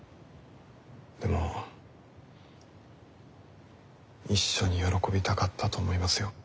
でも一緒に喜びたかったと思いますよ。